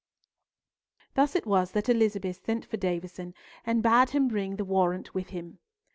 Thus it was that Elizabeth sent for Davison, and bade him bring the warrant with him.